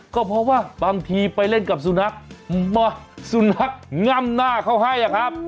ก็เพราะว่าบางทีไปเล่นกับสุนัขมาสุนัขง่ำหน้าเขาให้อะครับ